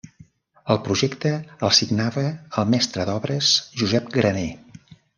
El projecte el signava el mestre d'obres Josep Graner.